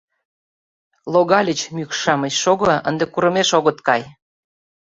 — Логальыч мӱкш-шамыч, шого, ынде курымеш огыт кай...